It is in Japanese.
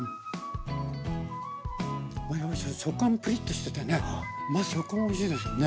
食感もプリッとしててね食感がおいしいですよね。